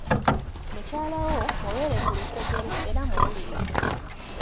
Mukyalawo mubeere ku lusegere era muwulirize.